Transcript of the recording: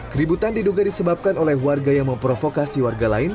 keributan diduga disebabkan oleh warga yang memprovokasi warga lain